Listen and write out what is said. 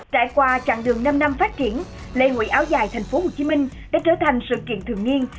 trải qua trạng đường năm năm phát triển lễ hội áo dài thành phố hồ chí minh đã trở thành sự kiện thường niên